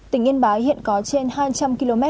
tỉnh yên bái hiện có trên hai trăm linh km